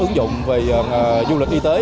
ứng dụng về du lịch y tế